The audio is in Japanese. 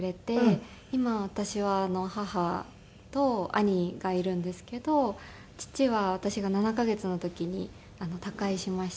今私は母と兄がいるんですけど父は私が７カ月の時に他界しまして。